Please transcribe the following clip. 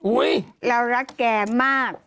อุ๊ยเรารักแกมาก